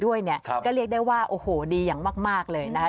ด้วยเนี่ยก็เรียกได้ว่าโอ้โหดีอย่างมากเลยนะคะ